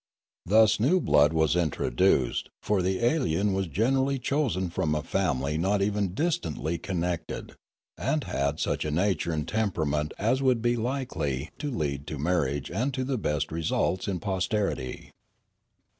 Thus new blood was introduced, for the alien was gen erally chosen from a family not even distantly con nected, and had such a nature and temperament as would be likely to lead to marriage and to the best re sults in posterity.